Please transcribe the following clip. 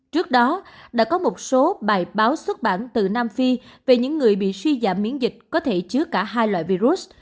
trước đó đã có một số bài báo xuất bản từ nam phi về những người bị suy giảm miễn dịch có thể chứa cả hai loại virus